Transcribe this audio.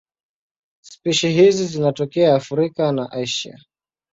Spishi hizi zinatokea Afrika na Asia.